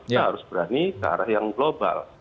kita harus berani ke arah yang global